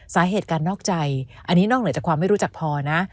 สาเหตุการนอกใจอันนี้นอกเหนือจากความไม่รู้จักพอนะ